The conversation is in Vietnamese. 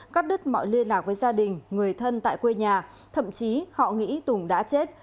cắt đứt mọi liên lạc với gia đình người thân tại quê nhà thậm chí họ nghĩ tùng đã chết